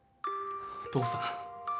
お父さん。